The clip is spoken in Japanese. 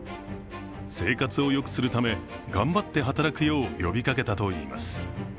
生活をよくするため、頑張って働くよう呼びかけたといいます。